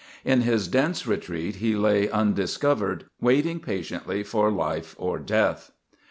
In his dense retreat he lay undiscovered, waiting patiently for life or death.